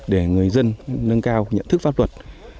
để người dân nâng cao nhận thức pháp luật